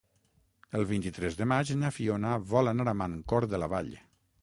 El vint-i-tres de maig na Fiona vol anar a Mancor de la Vall.